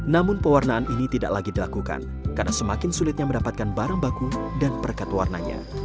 namun pewarnaan ini tidak lagi dilakukan karena semakin sulitnya mendapatkan barang baku dan perekat warnanya